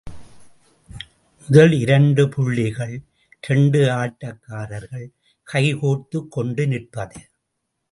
முதல் இரண்டு புள்ளிகள் இரண்டு ஆட்டக்காரர்கள் கைகோர்த்துக் கொண்டு நிற்பது.